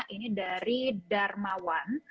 ini dari darmawan